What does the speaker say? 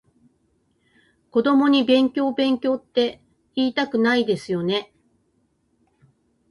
子供に勉強勉強っていいたくないですよね？